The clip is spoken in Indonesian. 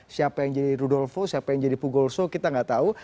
siapa yang jadi rudolvo siapa yang jadi pugolso kita nggak tahu